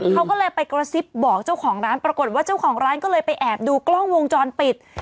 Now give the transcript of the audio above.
เขาก็เลยไปกระซิบบอกเจ้าของร้านปรากฏว่าเจ้าของร้านก็เลยไปแอบดูกล้องวงจรปิด